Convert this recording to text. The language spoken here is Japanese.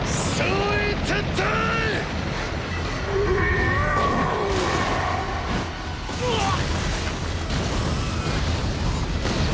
うわぁっ！！